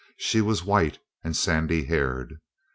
She was white, and sandy haired.